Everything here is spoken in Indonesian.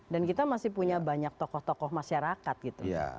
dan kita masih punya banyak tokoh tokoh masyarakat gitu